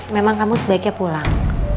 memang kamu sebaiknya pulang